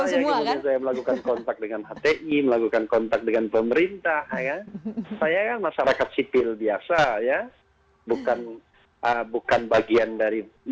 saya kemudian saya melakukan kontak dengan hti melakukan kontak dengan pemerintah saya kan masyarakat sipil biasa ya bukan bagian dari